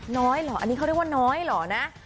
น้อยเหรออันนี้เขาเรียกว่าน้อยเหรอนะ